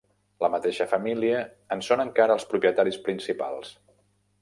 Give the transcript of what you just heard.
La mateixa família en són encara els propietaris principals.